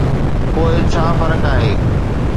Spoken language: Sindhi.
پوء ڇا فرق آهي؟